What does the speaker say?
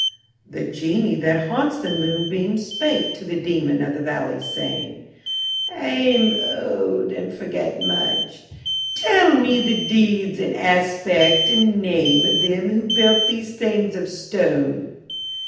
The Genie that haunts the moonbeams spake to the Daemon of the Valley, saying, "I am old, and forget much. Tell me the deeds and aspect and name of them who built these things of stone."